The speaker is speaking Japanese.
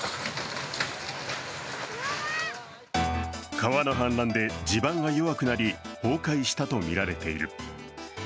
川の氾濫で地盤が弱くなり崩壊したとみられている。